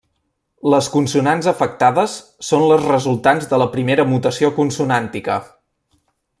Les consonants afectades són les resultants de la primera mutació consonàntica.